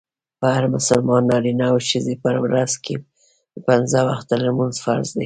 پر هر مسلمان نارينه او ښځي په ورځ کي پنځه وخته لمونځ فرض دئ.